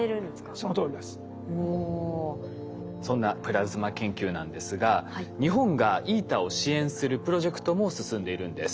そんなプラズマ研究なんですが日本がＩＴＥＲを支援するプロジェクトも進んでいるんです。